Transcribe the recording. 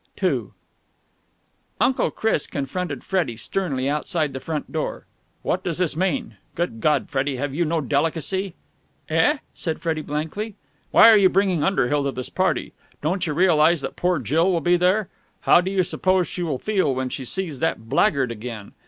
II Uncle Chris confronted Freddie sternly outside the front door. "What does this mean? Good God, Freddie, have you no delicacy?" "Eh?" said Freddie blankly. "Why are you bringing Underhill to this party? Don't you realize that poor Jill will be there? How do you suppose she will feel when she sees that blackguard again?